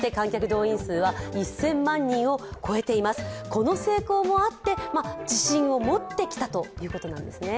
この成功もあって、自信を持ってきたということなんですね。